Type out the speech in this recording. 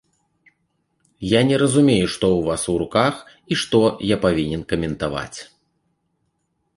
Я не разумею, што ў вас у руках і што я павінен каментаваць.